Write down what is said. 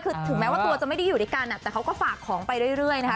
คือถึงแม้ว่าตัวจะไม่ได้อยู่ด้วยกันแต่เขาก็ฝากของไปเรื่อยนะคะ